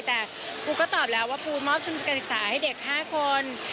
แต่ปูก็ตอบแล้วว่าปูมอบทุนการศึกษาให้เด็ก๕คน